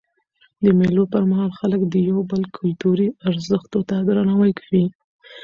د مېلو پر مهال خلک د یو بل کلتوري ارزښتو ته درناوی کوي.